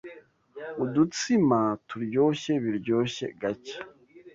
Udutsima turyoshye biryoshye gake